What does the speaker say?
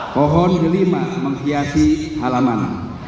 pohon delima menghiasi halaman